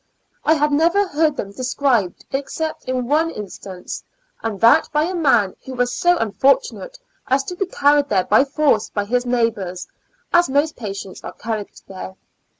I had never heard them described, except in one instance^ and that by a man who was so unfortunate as to be carried there by force by his neighbors, as most patients are carried there.